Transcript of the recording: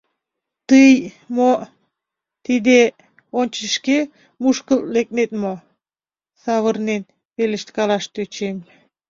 — Тый, мо... тиде... ончыч шке мушкылт лекнет мо? — савырнен, пелешткалаш тӧчем.